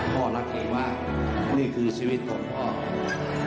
พ่อรักหลีกมากนี่คือชีวิตของพ่อคราวนี้